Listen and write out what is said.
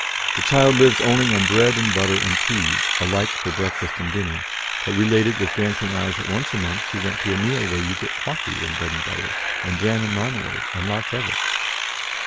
The child lives only on bread and butter and tea, alike for breakfast and dinner, but related with dancing eyes that once a month she went to a meal where 'you get coffee and bread and butter, and jam and marmalade, and lots of it.'"